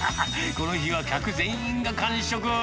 この日は客全員が完食。